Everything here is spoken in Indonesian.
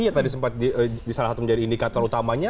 yang tadi sempat disalahkan menjadi indikator utamanya